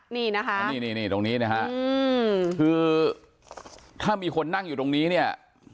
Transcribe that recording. นี่นะคะนี่นี่ตรงนี้นะฮะคือถ้ามีคนนั่งอยู่ตรงนี้เนี่ย